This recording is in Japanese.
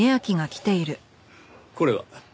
これは。